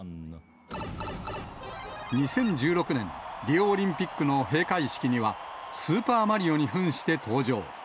２０１６年、リオオリンピックの閉会式にはスーパーマリオにふんして登場。